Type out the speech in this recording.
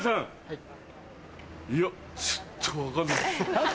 いやちょっと分かんない。